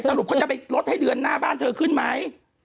เขาจะไปลดให้เดือนหน้าบ้านเธอขึ้นไหม